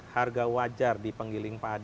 harga wajar di penggiling padi